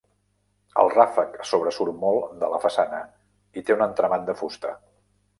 El ràfec sobresurt molt de la façana i té un entramat de fusta.